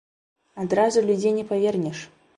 Адразу людзей не павернеш.